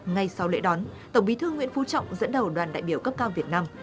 ngay sau lễ đón tổng bí thư nguyễn phú trọng dẫn đầu đoàn đại biểu cấp cao việt nam